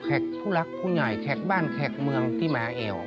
ผู้รักผู้ใหญ่แขกบ้านแขกเมืองที่มาแอว